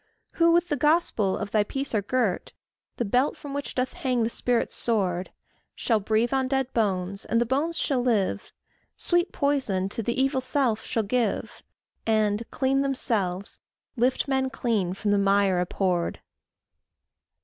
Who with the gospel of thy peace are girt, The belt from which doth hang the Spirit's sword, Shall breathe on dead bones, and the bones shall live, Sweet poison to the evil self shall give, And, clean themselves, lift men clean from the mire abhorred.